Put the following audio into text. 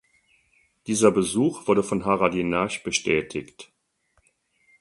Dieser Besuch wurde von Haradinaj bestätigt.